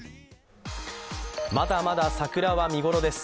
まだまだ桜は見頃です。